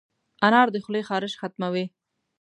انار د خولې خارش ختموي.